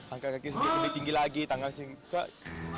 angka kaki sedikit lebih tinggi lagi tangan sedikit